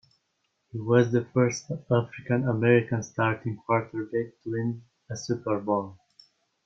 He was the first African-American starting quarterback to win a Super Bowl.